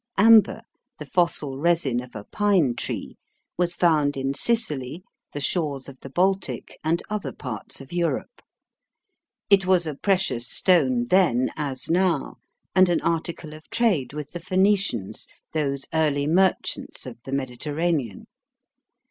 Amber, the fossil resin of a pine tree, was found in Sicily, the shores of the Baltic, and other parts of Europe. It was a precious stone then as now, and an article of trade with the Phoenicians, those early merchants of the Mediterranean.